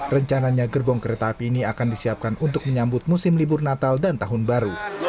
rencananya gerbong kereta api ini akan disiapkan untuk menyambut musim libur natal dan tahun baru